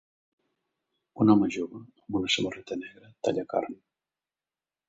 Un home jove amb una samarreta negra talla carn.